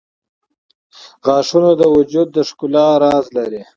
• غاښونه د وجود د ښکلا راز لري.